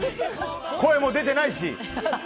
声も出てないし。